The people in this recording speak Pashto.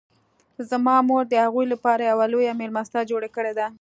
زما مور د هغوی لپاره یوه لویه میلمستیا جوړه کړې ده